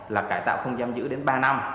là cải tạo không giam giữ đến ba năm